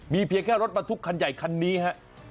มีเพียงแค่รถมาทุกคันใหญ่คันนี้ครับ